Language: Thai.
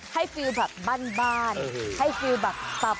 ให้ฟีลแบบบ้านให้ฟีลแบบป่า